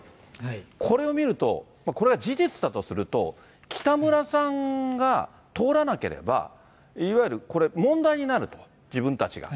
これを見ると、これは事実だとすると、北村さんが通らなければ、いわゆるこれ、問題になると、自分たちが。